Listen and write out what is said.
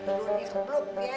ui kepluk ya